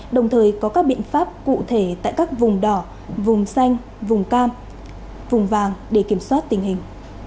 đồng thời có các biện pháp cụ thể tại các vùng đỏ vùng xanh vùng cam vùng vàng để kiểm soát tình hình